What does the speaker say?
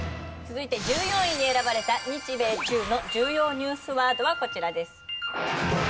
続いて１４位に選ばれた日米中の重要ニュースワードはこちらです。